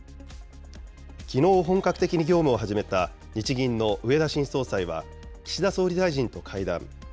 きのう、本格的に業務を始めた日銀の植田新総裁は、岸田総理大臣と会談。